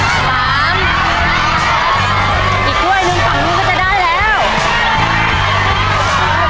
ไปก่อนลูกฝั่งนึงแล้ว